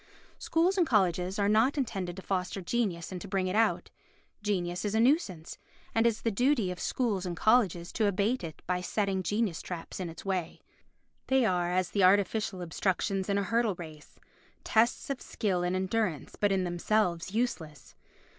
Schools and colleges are not intended to foster genius and to bring it out. Genius is a nuisance, and it is the duty of schools and colleges to abate it by setting genius traps in its way. They are as the artificial obstructions in a hurdle race—tests of skill and endurance, but in themselves useless.